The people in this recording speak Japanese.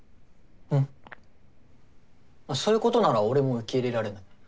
そういうことなら俺も受け入れられない。